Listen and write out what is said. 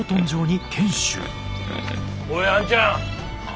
おいあんちゃん。